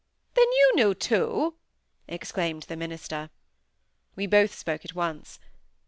"Then you knew too!" exclaimed the minister. We both spoke at once.